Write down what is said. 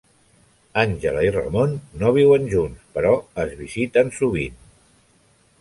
Àngela i Ramon no viuen junts però es visiten sovint.